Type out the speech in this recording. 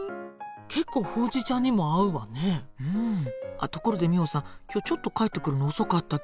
あっところでミホさん今日ちょっと帰ってくるの遅かったけど。